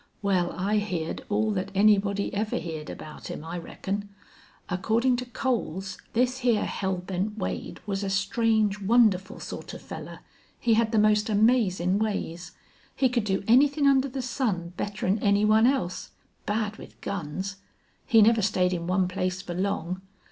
Wal, I heerd all thet anybody ever heerd about him, I reckon. Accordin' to Coles this hyar Hell Bent Wade was a strange, wonderful sort of fellar. He had the most amazin' ways. He could do anythin' under the sun better'n any one else. Bad with guns! He never stayed in one place fer long.